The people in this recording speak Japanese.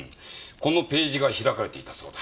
このページが開かれていたそうだ。